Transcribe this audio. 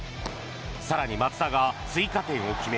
更に松田が追加点を決め